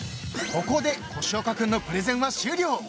［ここで越岡くんのプレゼンは終了］